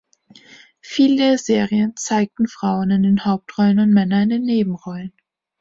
Viele Serien zeigten Frauen in den Hauptrollen und Männer in Nebenrollen.